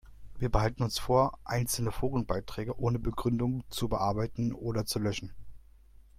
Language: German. Wir behalten uns vor, einzelne Forenbeiträge ohne Begründung zu bearbeiten oder zu löschen.